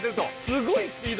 すごい。